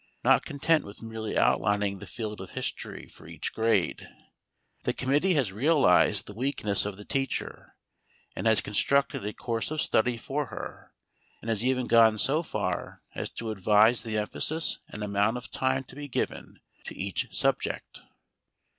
Not content with merely outlining the field of history for each grade, the committee has realized the weakness of the teacher, and has constructed a course of study for her, and has even gone so far as to advise the emphasis and amount of time to be given to each subject.